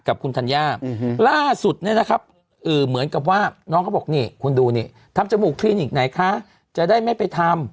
กับคุณธัญญาล่าสุดเนี่ยนะครับเหมือนกับว่าน้องเขาบอกนี่คุณดูนี่ทำจมูกคลินิกไหนคะจะได้ไม่ไปทำ